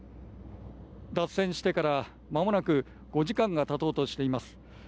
脱線してから間もなく５時間が経とうとしています。